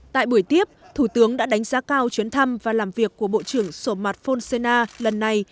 tại buổi tiếp thủ tướng đã đánh giá cao chuyến thăm và làm việc của bộ trưởng sổ mạt phôn xê na lần này